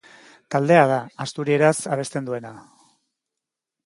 Taldea da, asturieraz abesten duena.